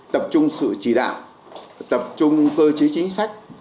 tập trung sự chỉ đạo tập trung cơ chế chính sách